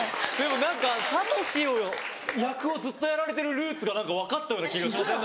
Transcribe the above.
何かサトシの役をずっとやられてるルーツが何か分かったような気がしません？